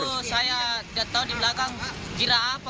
eh dulu saya tidak tahu di belakang kira apa